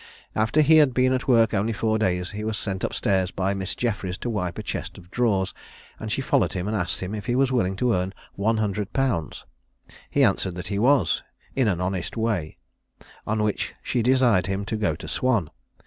After he had been at work only four days, he was sent up stairs by Miss Jeffries to wipe a chest of drawers, and she followed him, and asked him if he was willing to earn one hundred pounds? He answered that he was, "in an honest way;" on which she desired him to go to Swan.